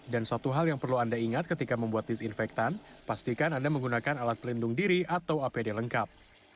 dan satu hal yang perlu anda ingat ketika membuat disinfektan pastikan anda menggunakan alat pelindung diri atau apd lengkap